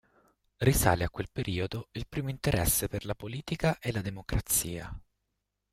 Risale a quel periodo il primo interesse per la politica e la democrazia.